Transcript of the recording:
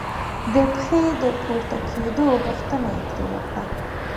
د پښې د پورته کېدو غوښتنه یې ترې وکړه.